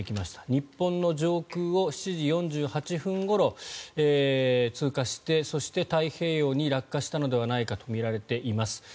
日本の上空を７時４８分ごろ通過してそして太平洋に落下したのではないかとみられています。